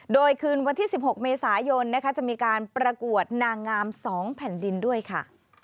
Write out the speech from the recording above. โดยคืนวันที่๑๖เมษายนจะมีการประกวดนางงาม๒แผ่นดินด้วยค่ะ